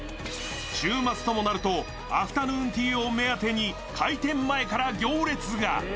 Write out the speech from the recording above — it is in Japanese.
週末ともなるとアフタヌーンティーを目当てに開店前から行列が。